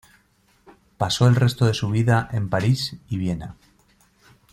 Pasó el resto de su vida en París y Viena.